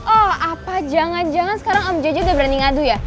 oh apa jangan jangan sekarang om jj udah berani ngadu ya